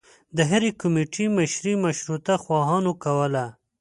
د هرې کومیټي مشري مشروطه خواهانو کوله.